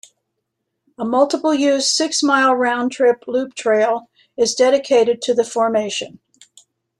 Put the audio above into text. A multiple-use, six-mile round trip loop trail is dedicated to the formation.